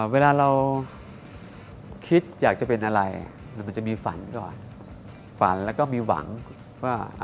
เวลาเราคิดอยากจะเป็นอะไรมันจะมีฝันก่อนฝันแล้วก็มีหวังว่า